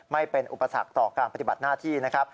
ไม่เป็นอุปสรรคต่อการปฏิบัติหน้าที่นะครับ